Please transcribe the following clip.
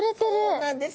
そうなんですよ。